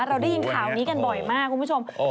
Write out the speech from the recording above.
เราได้ยินข่าวนี้กันบ่อยมากคุณผู้ชม